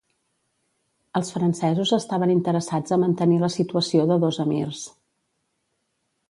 Els francesos estaven interessats a mantenir la situació de dos emirs.